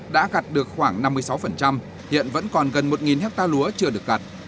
đã gặt được khoảng năm mươi sáu hiện vẫn còn gần một hectare lúa chưa được gặt